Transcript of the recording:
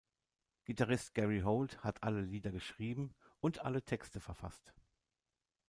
Gitarrist Gary Holt hat alle Lieder geschrieben und alle Texte verfasst.